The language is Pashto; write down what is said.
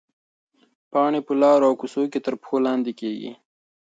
پاڼې په لارو او کوڅو کې تر پښو لاندې کېږي.